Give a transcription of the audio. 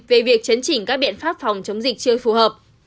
về việc chấn chỉnh các biện pháp phòng chống dịch chưa phù hợp